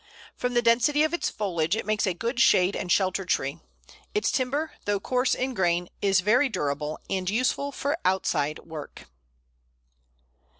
From the density of its foliage, it makes a good shade and shelter tree. Its timber, though coarse in grain, is very durable, and useful for outside work.